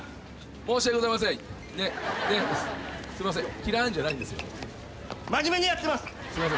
申し訳ございません。